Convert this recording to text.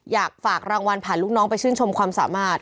อยากฝากรางวัลผ่านลูกน้องไปชื่นชมความสามารถ